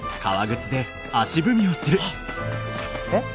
えっ？